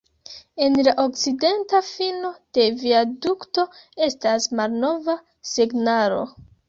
En la okcidenta fino de viadukto estas malnova signalo.